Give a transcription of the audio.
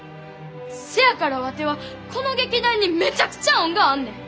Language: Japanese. せやからワテはこの劇団にめちゃくちゃ恩があんねん。